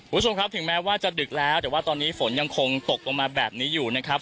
คุณผู้ชมครับถึงแม้ว่าจะดึกแล้วแต่ว่าตอนนี้ฝนยังคงตกลงมาแบบนี้อยู่นะครับ